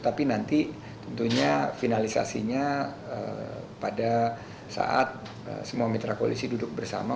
tapi nanti tentunya finalisasinya pada saat semua mitra koalisi duduk bersama